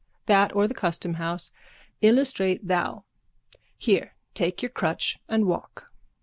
That or the customhouse. Illustrate thou. Here take your crutch and walk.